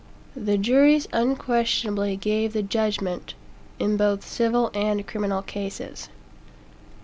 The juries unquestionably gave the "judgment" in both civil and criminal cases.